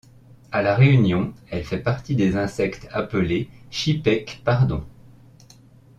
À La Réunion, elle fait partie des insectes appelés chipèque pardon.